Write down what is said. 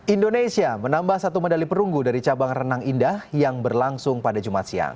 indonesia menambah satu medali perunggu dari cabang renang indah yang berlangsung pada jumat siang